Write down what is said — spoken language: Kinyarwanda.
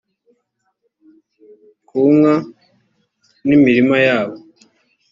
ku nka n imirima yabo